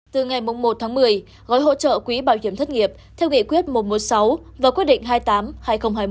từ ngày một tháng một mươi gói hỗ trợ quỹ bảo hiểm thất nghiệp theo nghị quyết một trăm một mươi sáu và quyết định hai mươi tám hai nghìn hai mươi